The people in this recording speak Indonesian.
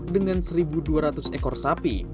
dengan satu dua ratus ekor sapi